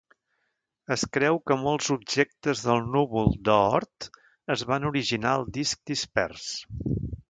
Es creu que molts objectes del núvol d'Oort es van originar al disc dispers.